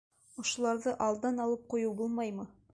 Ошоларҙы алдан алып ҡуйып булмаймы?